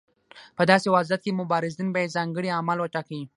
په داسې وضعیت کې مبارزین باید ځانګړي اعمال وټاکي.